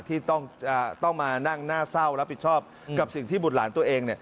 ที่ต้องมานั่งหน้าเศร้ารับผิดชอบกับสิ่งที่บุตรหลานตัวเอง